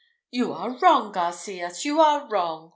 "You are wrong, Garcias! you are wrong!"